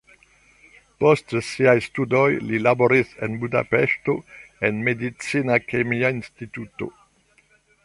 Post siaj studoj li laboris en Budapeŝto en medicina kemia instituto.